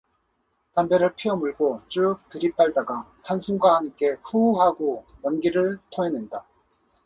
담배를 피워 물고 쭈욱 들이빨다가 한숨과 함께 후우 하고 연기를 토해 낸다.